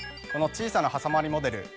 この小さなはさまりモデル